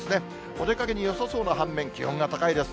お出かけによさそうな反面、気温が高いです。